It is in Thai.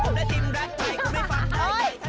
ผมได้จิ้มแร็ปไทยคุณไม่ฟังได้ไง